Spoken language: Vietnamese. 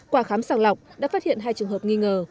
qua khám sàng lọc đã phát hiện hai trường hợp nghi ngờ